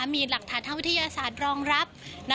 มีหลักฐานทางวิทยาศาสตร์รองรับ